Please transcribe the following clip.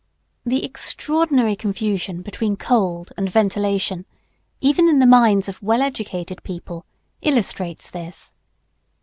] The extraordinary confusion between cold and ventilation, even in the minds of well educated people, illustrates this.